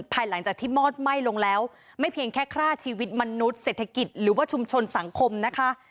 ภายหลังจากที่มอดไหม้ลงแล้วไม่เพียงแค่ฆ่าชีวิตมนุษย์เศรษฐกิจหรือว่าชุมชนสังคมนะคะ